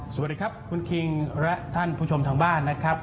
สวัสดีครับคุณคิงและท่านผู้ชมทางบ้านนะครับ